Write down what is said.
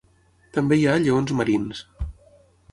També hi ha lleons marins.